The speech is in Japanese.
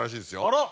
あら。